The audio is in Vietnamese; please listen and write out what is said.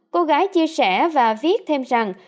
cô gái chia sẻ và viết thêm rằng